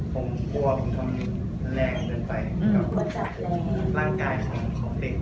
ผมกลัวผมทำแรงเกินไปกับร่างกายของเด็ก